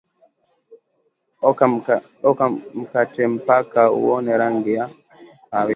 oka mkatempaka uone rangi ya kahawia